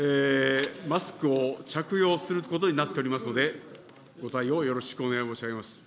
マスクを着用することになっておりますので、ご対応よろしく